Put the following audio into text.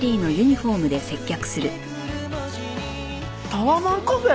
タワマンカフェ！？